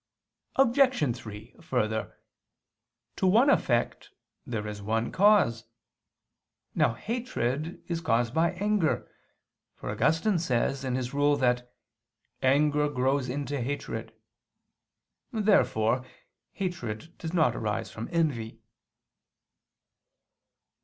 Obj. 3: Further, to one effect there is one cause. Now hatred is caused by anger, for Augustine says in his Rule that "anger grows into hatred." Therefore hatred does not arise from envy.